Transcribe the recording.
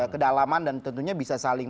kedalaman dan tentunya bisa saling